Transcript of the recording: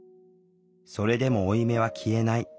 それでも負い目は消えない。